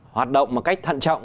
hoạt động một cách thận trọng